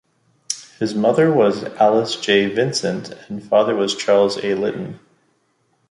His mother was Alice J. Vincent and father was Charles A. Litton.